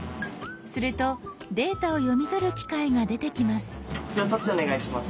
するとデータを読み取る機械が出てきます。